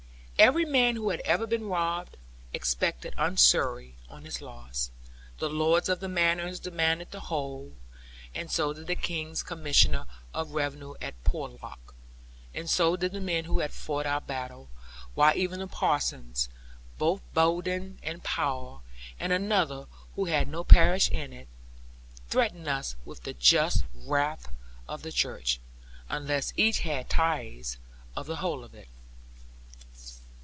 Every man who had ever been robbed, expected usury on his loss; the lords of the manors demanded the whole; and so did the King's Commissioner of revenue at Porlock; and so did the men who had fought our battle; while even the parsons, both Bowden and Powell, and another who had no parish in it, threatened us with the just wrath of the Church, unless each had tithes of the whole of it.